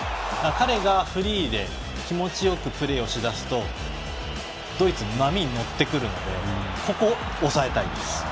彼がフリーで気持ちよくプレーをしだすとドイツは波に乗ってくるのでここを押さえたいです。